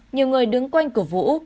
nhiều người đứng quanh cửa vũ